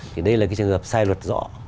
thì đây là cái trường hợp sai luật rõ